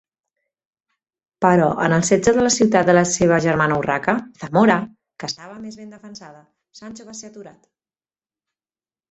Però en el setge de la ciutat de la seva germana Urraca, Zamora, que estava més ben defensada, Sancho va ser aturat.